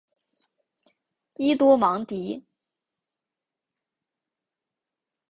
伊多芒迪。